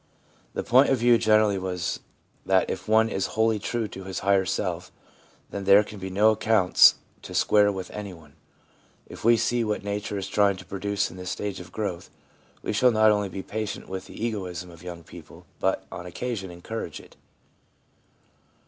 The point of view generally was that if one is wholly true to his higher self, then there can be no accounts to square with any one. If we see what nature is trying to produce in this stage of growth, we shall not only be patient with the egoism of young people, but, on occasion, encourage it.